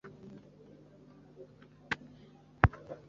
aduhuriza muri sale imwe aduha amanita yacu